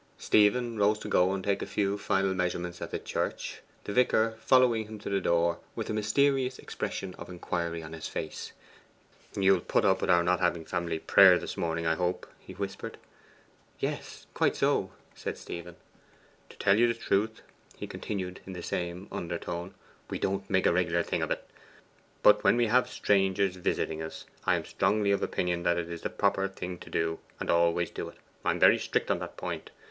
Stephen rose to go and take a few final measurements at the church, the vicar following him to the door with a mysterious expression of inquiry on his face. 'You'll put up with our not having family prayer this morning, I hope?' he whispered. 'Yes; quite so,' said Stephen. 'To tell you the truth,' he continued in the same undertone, 'we don't make a regular thing of it; but when we have strangers visiting us, I am strongly of opinion that it is the proper thing to do, and I always do it. I am very strict on that point.